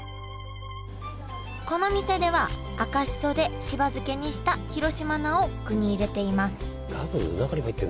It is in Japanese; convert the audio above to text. この店では赤しそでしば漬けにした広島菜を具に入れています。